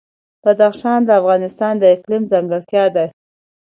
بدخشان د افغانستان د اقلیم ځانګړتیا ده.